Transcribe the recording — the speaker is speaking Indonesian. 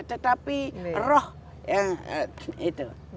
tetapi roh yang itu